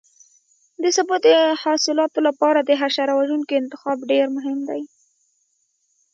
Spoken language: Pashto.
د سبو د حاصلاتو لپاره د حشره وژونکو انتخاب ډېر مهم دی.